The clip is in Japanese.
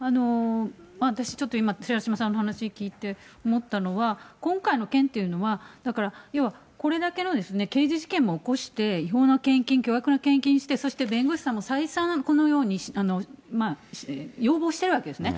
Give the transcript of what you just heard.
私ちょっと、手嶋さんの話聞いて思ったのは、今回の件というのは、だから、要はこれだけの、刑事事件を起こして、違法な献金、巨額の献金をして、そして弁護士さんも再三、このように要望してるわけですね。